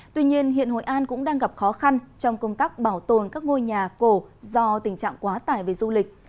tuy nhiên hiện hội an cũng đang gặp khó khăn trong công tác bảo tồn các ngôi nhà cổ do tình trạng quá tải về du lịch